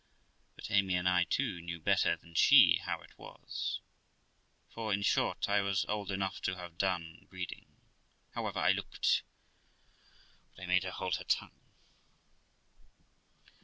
But Amy, and I too, knew better than she how it was, for, in short, I was old enough to have done breeding, however I looked } but I made her hold her tongue.